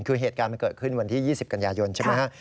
คือเหตุการณ์มันเกิดขึ้นวันที่๒๐กันยายนใช่ไหมฮะ